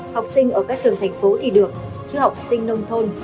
học sinh ở các trường thành phố thì được chứ học sinh nông thôn